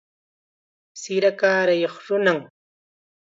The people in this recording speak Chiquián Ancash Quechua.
Sira kaarayuq nunam.